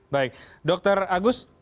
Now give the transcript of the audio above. baik dokter agus